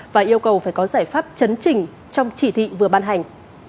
và yêu cầu phải có giải pháp chấn chỉnh trong chỉ thị vừa ban hành